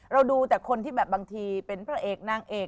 ดูแต่คนที่แบบบางทีเป็นพระเอกนางเอก